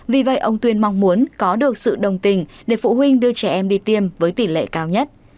vì vậy ông tuyên mong muốn có được sự đồng tình để phụ huynh đưa trẻ em đi tiêm với tỷ lệ cao nhất